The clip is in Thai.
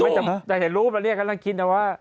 ไม่จำเป็นแต่เห็นรูปแล้วเนี่ยกำลังคิดนะว่า